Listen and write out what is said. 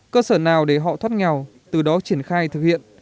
cơ sở nào để họ thoát nghèo từ đó triển khai thực hiện